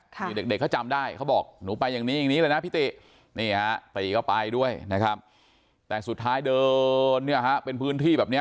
ไทยเด็กก็จำได้เขาบอกหนูไปอย่างนี้อะไรนะพี่ติเนี่ยไปด้วยนะครับแต่สุดท้ายเดินเนี่ยแล้วเป็นพื้นที่เเหละเนี่ย